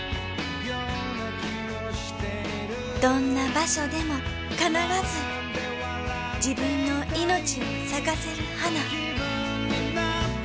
どんな場所でも必ず自分の命を咲かせる花。